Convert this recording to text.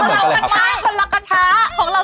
เราเลิศมากเชฟพูดเลย